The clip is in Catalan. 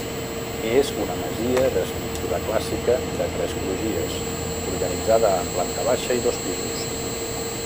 És una masia d'estructura clàssica de tres crugies, organitzada en planta baixa i dos pisos.